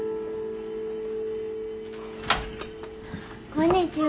こんにちは。